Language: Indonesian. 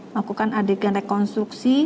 melakukan adegan rekonstruksi